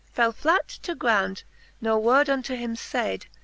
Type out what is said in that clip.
Fell flat to ground, ne word unto him fayd.